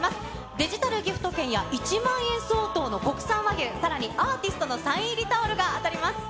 デジタルギフト券や１万円相当の国産和牛、さらにアーティストのサイン入りタオルが当たります。